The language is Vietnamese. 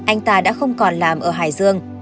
anh ta đã không còn làm ở hải dương